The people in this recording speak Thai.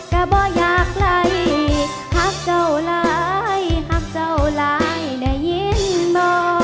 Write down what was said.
กะบ่อยากไหลหักเจ้าไหลหักเจ้าไหลได้ยินบ่